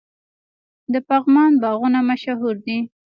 د پغمان باغونه مشهور دي.